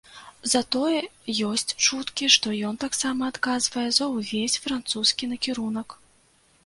Затое ёсць чуткі, што ён таксама адказвае за ўвесь французскі накірунак.